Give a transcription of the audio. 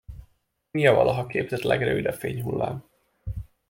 Mi a valaha képzett legrövidebb fényhullám?